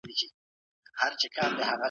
لیکني د ساحې برخه نه جوړوي؛ خو د ځیني ډلو لخوا